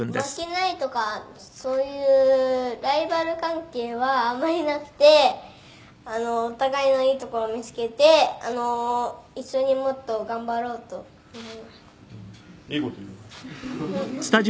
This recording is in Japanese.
「負けないとかそういうライバル関係はあまりなくてお互いのいいところを見付けて一緒にもっと頑張ろうと思います」